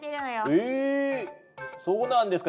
えそうなんですか？